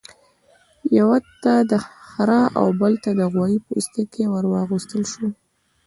یوه ته د خرۀ او بل ته د غوايي پوستکی ورواغوستل شو.